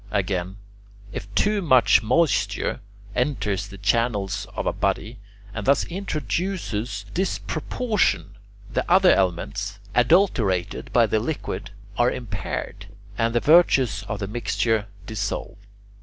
Again, if too much moisture enters the channels of a body, and thus introduces disproportion, the other elements, adulterated by the liquid, are impaired, and the virtues of the mixture dissolved.